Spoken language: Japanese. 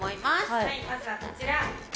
はいまずはこちら。